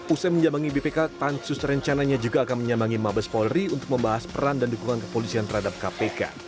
usai menyambangi bpk pansus rencananya juga akan menyambangi mabes polri untuk membahas peran dan dukungan kepolisian terhadap kpk